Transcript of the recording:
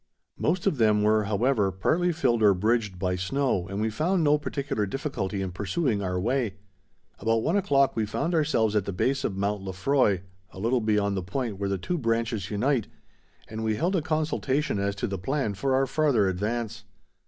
Most of them were, however, partly filled or bridged by snow and we found no particular difficulty in pursuing our way. About one o'clock we found ourselves at the base of Mount Lefroy, a little beyond the point where the two branches unite, and we held a consultation as to the plan of our farther advance.